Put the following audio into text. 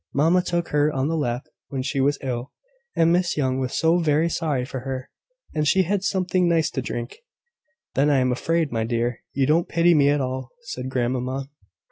Mamma took her on her lap when she was ill; and Miss Young was so very sorry for her; and she had something nice to drink. "Then I am afraid, my dear, you don't pity me at all," said grandmamma.